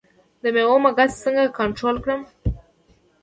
د میوو مګس څنګه کنټرول کړم؟